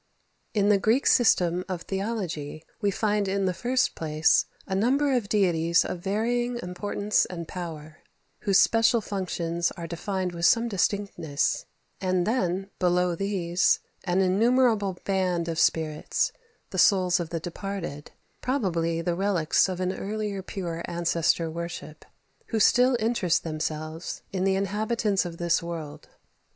20. In the Greek system of theology we find in the first place a number of deities of varying importance and power, whose special functions are defined with some distinctness; and then, below these, an innumerable band of spirits, the souls of the departed probably the relics of an earlier pure ancestor worship who still interest themselves in the inhabitants of this world.